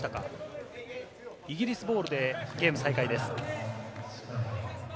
イギリスボールでゲーム再開です。